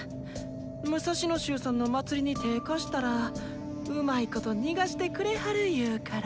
六指衆さんの「祭り」に手ぇ貸したらうまいこと逃がしてくれはるいうから。